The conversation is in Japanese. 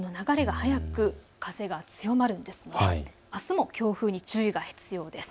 あすも強風に注意が必要です。